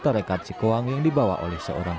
tarikat cekuang yang dibawa oleh seorang